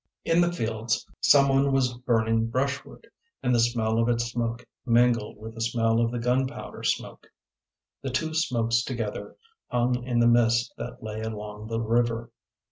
In the fields someone was burning brushwood, and the smell of its smoke mingled with the smell of the gunpowder smoke. The two smokes together hung in the mist that lay along the river.